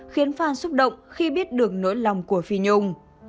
khiến phan xúc động khi biết được nỗi lòng của phi nhung